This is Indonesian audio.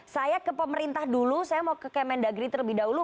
saya ke pemerintah dulu saya mau ke kementerian dalam negeri terlebih dahulu